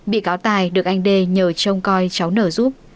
bị cáo tài được anh đ nhờ trông coi cháu n giúp